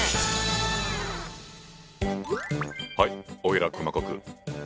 はいおいら熊悟空。